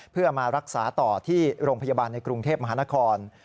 เพื่อมารักษาต่อที่โรงพยาบาลในกรุงเทพมหานคร